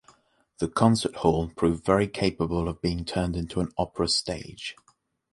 The Concert Hall proved very capable of being turned into an opera stage.